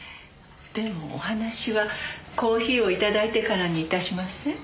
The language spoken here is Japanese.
でもお話はコーヒーをいただいてからにいたしません？